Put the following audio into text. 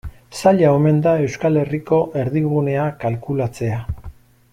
Zaila omen da Euskal Herriko erdigunea kalkulatzea.